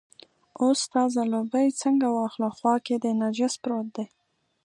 اوس ستا ځلوبۍ څنګه واخلو، خوا کې دې نجس پروت دی.